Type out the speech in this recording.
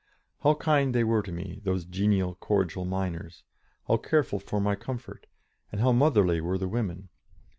How kind they were to me, those genial, cordial miners, how careful for my comfort, and how motherly were the women!